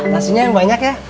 nasinya yang banyak ya